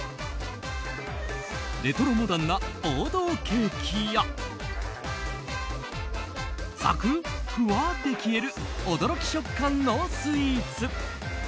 レトロモダンな王道ケーキやザクッふわっで消える驚き食感のスイーツ。